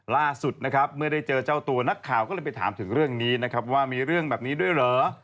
ล่าสุดนะครับเมื่อได้เจอเจ้าตัวนักข่าวก็เลยไปถามถึงเรื่องนี้นะครับว่ามีเรื่องแบบนี้ด้วยเหรอ